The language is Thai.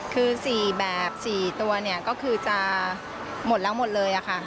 คือ๔แบบ๔ตัวเนี่ยก็คือจะหมดแล้วหมดเลยค่ะ